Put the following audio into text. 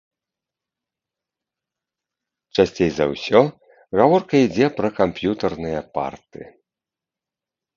Часцей за ўсё гаворка ідзе пра камп'ютарныя парты.